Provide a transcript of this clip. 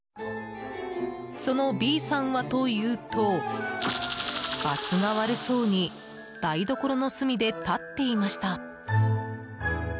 そのＢさんはというとバツが悪そうに台所の隅で立っていました。